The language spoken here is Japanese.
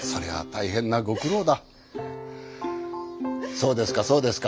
そうですかそうですか。